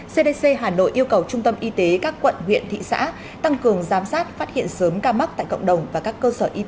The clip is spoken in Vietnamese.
cdc hà nội yêu cầu trung tâm y tế các quận huyện thị xã tăng cường giám sát phát hiện sớm ca mắc tại cộng đồng và các cơ sở y tế đã được phân cấp